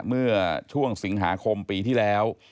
เมื่อช่วงสิงหาคมปีที่แล้ว